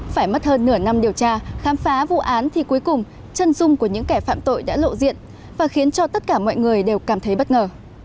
phải mất hơn nửa năm điều tra khám phá vụ án thì cuối cùng chân dung của những kẻ phạm tội đã lộ diện và khiến cho tất cả mọi người đều cảm thấy bất ngờ